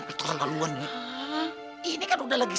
ini kan udah lagi